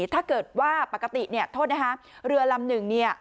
ถ้าเกิดว่าปกติเนี่ยโทษนะคะเรือลำหนึ่งเนี่ย